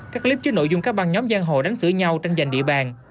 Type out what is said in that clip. các clip chứa nội dung các băng nhóm giang hồ đánh xử nhau tranh giành địa bàn